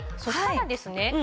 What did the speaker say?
そしたらですね